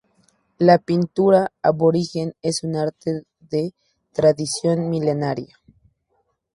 La pintura aborigen es un arte de tradición milenaria.